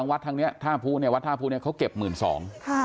อาทางวัดธาภุเขาเก็บ๑๒๐๐๐บาท